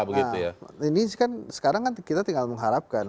nah ini kan sekarang kan kita tinggal mengharapkan